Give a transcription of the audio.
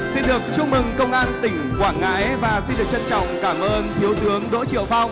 xin được chúc mừng công an tỉnh quảng ngãi và xin được trân trọng cảm ơn thiếu tướng đỗ triệu phong